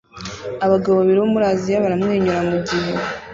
Abagabo babiri bo muri Aziya baramwenyura mugihe